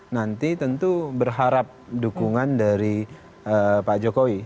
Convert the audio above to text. nanti tentu berharap dukungan dari pak jokowi